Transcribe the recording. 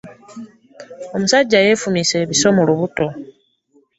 Omusajja yeefumise ebiso mu lubuto.